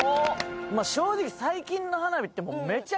正直。